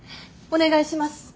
お願いします。